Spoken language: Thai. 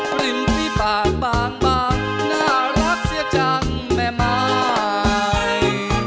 กลิ่นที่ปากบางน่ารักเสียจังแม่ไม้